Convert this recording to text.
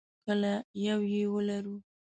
کله یو یې ولرو.